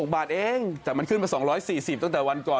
๖บาทเองแต่มันขึ้นมา๒๔๐ตั้งแต่วันก่อน